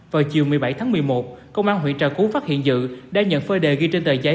vào chiều một mươi bảy tháng một mươi một công an huyện trà cú phát hiện dự đã nhận phơi đề ghi trên tờ giấy